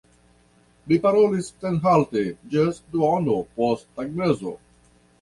Li parolis senhalte ĝis duono post tagmezo.